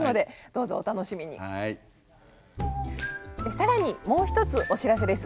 更にもう一つお知らせです。